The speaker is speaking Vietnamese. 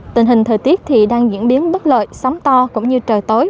tình hình thời tiết thì đang diễn biến bất lợi sóng to cũng như trời tối